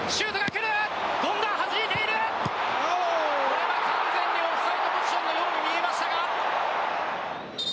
これは完全にオフサイドポジションに見えましたが。